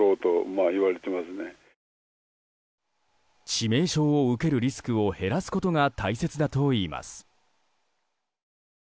致命傷を受けるリスクを減らすことが大切だといいます。